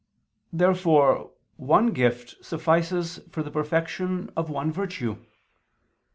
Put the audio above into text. Therefore one gift suffices for the perfection of one virtue.